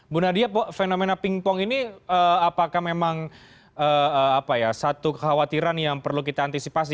bu nadia fenomena pingpong ini apakah memang satu kekhawatiran yang perlu kita antisipasi